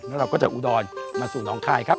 แล้วเราก็จะอุดรมาสู่น้องคายครับ